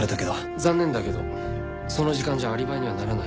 残念だけどその時間じゃアリバイにはならない。